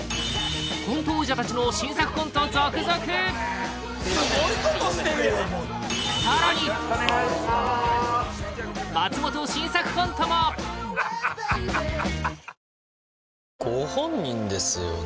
コント王者達の新作コント続々ボイコットしてるやんさらに松本新作コントもご本人ですよね？